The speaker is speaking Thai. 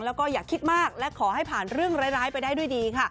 แล้วก็อย่าคิดมากและขอให้ผ่านเรื่องร้ายไปได้ด้วยดีค่ะ